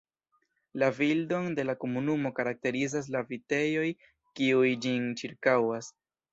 La bildon de la komunumo karakterizas la vitejoj, kiuj ĝin ĉirkaŭas.